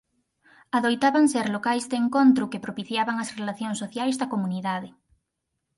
Adoitaban ser locais de encontro que propiciaban as relacións sociais da comunidade.